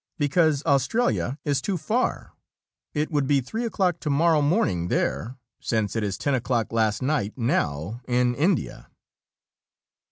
"Because Australia is too far. It would be three o'clock tomorrow morning there, since it is ten o'clock last night now in India."